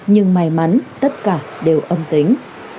nhưng may mắn tất cả đều âm tĩnh